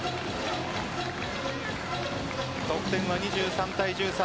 得点は２３対１３。